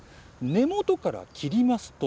根元から切りますと。